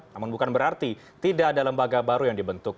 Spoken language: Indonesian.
namun bukan berarti tidak ada lembaga baru yang dibentuk